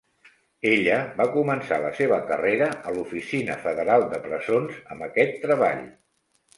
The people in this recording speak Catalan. Ella va començar la seva carrera a l'Oficina Federal de Presons amb aquest treball.